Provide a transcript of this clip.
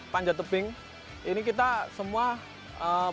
panjat tebing ini kita semua kita memanjat tebing kita memanjat tebing